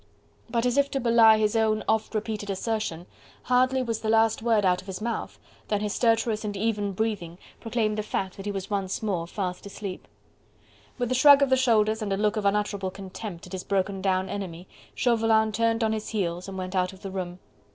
..." But as if to belie his own oft repeated assertion, hardly was the last word out of his mouth than his stertorous and even breathing proclaimed the fact that he was once more fast asleep. With a shrug of the shoulders and a look of unutterable contempt at his broken down enemy, Chauvelin turned on his heel and went out of the room.